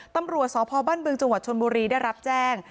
ตำรวจสพบ้านบึงจังหวัดชนบุรีได้รับแจ้ง